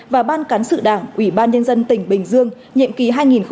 và ban cán sự đảng ủy ban nhân dân tỉnh bình dương nhiệm kỳ hai nghìn một mươi sáu hai nghìn một mươi một